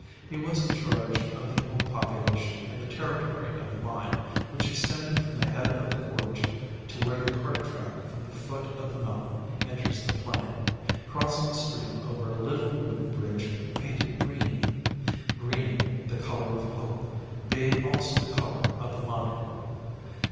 He was in charge of the whole population in the territory of the mine, which extended from the head of the gorge to where the cart track from the foot of the mountain enters the plain, crossing a stream over a little wooden bridge painted green green, the colour of hope, being also the colour of the mine.